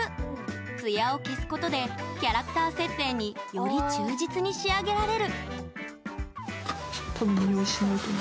ツヤを消すことでキャラクター設定により忠実に仕上げられる。